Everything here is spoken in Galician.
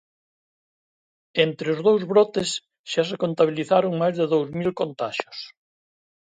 Entre os dous brotes xa se contabilizaron máis de dous mil contaxios.